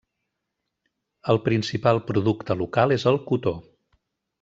El principal producte local és el cotó.